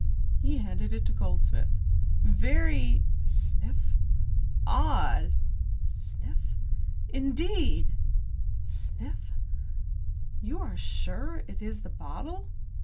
He handed it to Goldsmith. "Very" sniff! "odd" sniff! "indeed" sniff. "You are sure it is the bottle?"